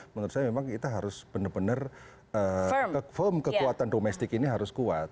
menurut saya memang kita harus benar benar firm kekuatan domestik ini harus kuat